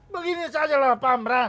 begini saja lah pak amran